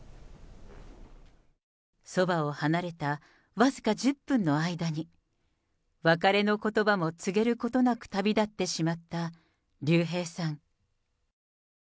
そばを離れた僅か１０分の間に、別れのことばも告げることなく旅立ってしまった竜兵さん。